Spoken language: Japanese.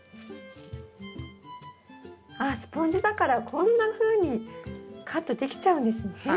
あっスポンジだからこんなふうにカットできちゃうんですね。